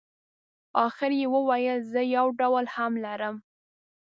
اخر یې وویل زه یو ډول هم لرم.